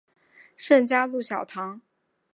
圣嘉禄小堂。